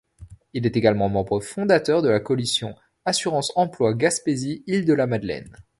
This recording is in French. Il est également membre fondateur de la Coalition assurance-emploi Gaspésie-Îles-de-la-Madeleine.